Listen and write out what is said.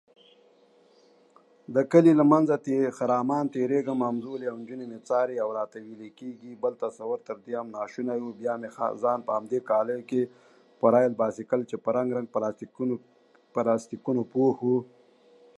Through the spring and summer, she ranged from Newfoundland to the Caribbean.